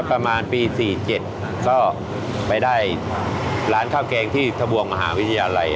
ประมาณปี๔๗ก็ไปได้ร้านข้าวแกงที่ทะบวงมหาวิทยาลัย